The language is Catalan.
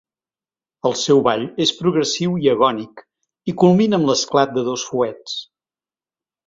El seu ball és progressiu i agònic, i culmina amb l'esclat de dos fuets.